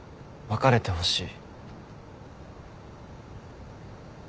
別れてほしい。